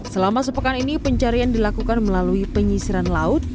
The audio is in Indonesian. selama sepekan ini pencarian dilakukan melalui penyisiran laut